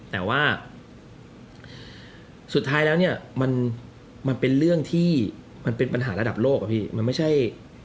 แต่ว่าสุดท้ายแล้วเนี่ยมันเป็นเรื่องที่มันเป็นปัญหาระดับโลกอะพี่มันไม่ใช่